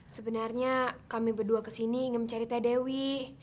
sebenarnya kami berdua kesini ingin mencari teh dewi